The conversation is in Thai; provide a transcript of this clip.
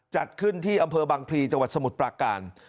จัดขึ้นที่อำเภอบังพลีจังหวัดสมุทรปราการ